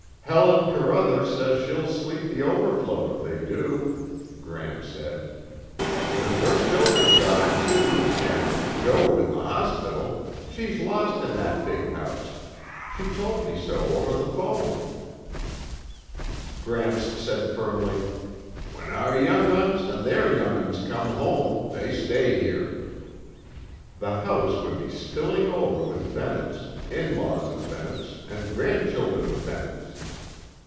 "Helen Carruthers said she'll sleep the overflow if they do," Gram said. "With her children gone, too, and Joab in the hospital, she's lost in that big house. She told me so over the phone." Gramps said firmly, "When our young'uns and their young'uns come home, they stay here." The house would be spilling over with Bennetts, in laws of Bennetts and grandchildren of Bennetts.